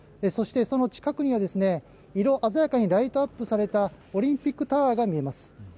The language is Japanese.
そして、その近くには色鮮やかにライトアップされたオリンピックタワーが見えます。